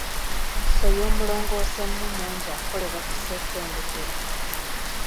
Soya omulongoseemu mungi akolebwa ku ssettendekero.